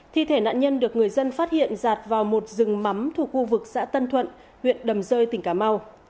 thi thể nạn nhân được người dân phát hiện giạt vào một rừng mắm thuộc khu vực xã tân thuận huyện đầm rơi tỉnh cà mau